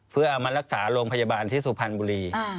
เพื่อเอามารักษาโรงพยาบาลที่สุพรรณบุรี